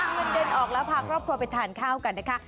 เงินเด่นออกแล้วพักรอบครัวไปทานข้าวกัน